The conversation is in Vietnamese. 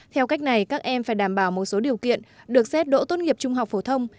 theo cách này các em phải đảm bảo một số điều kiện được xét đỗ tốt nghiệp trung học phổ thông